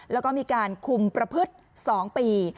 แล้วก็มีการคุมประพฤติ๒ปี